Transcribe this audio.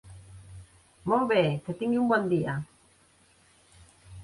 Molt bé, que tingui un bon dia.